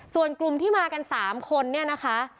ส่วนกลุ่มที่มากัน๓คนเนี่ยนะคะ